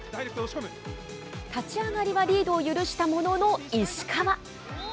立ち上がりはリードを許したものの、石川。